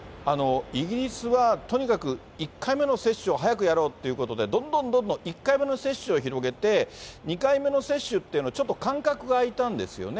イギリスはとにかく、１回目の接種を早くやろうということで、どんどんどんどん１回目の接種を広げて、２回目の接種っていうのは、ちょっと間隔が空いたんですよね。